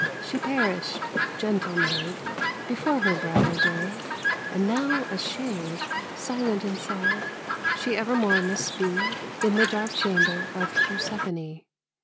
She perished, gentle maid, Before her bridal day and now a shade, Silent and sad, she evermore must be In the dark chamber of Persephone.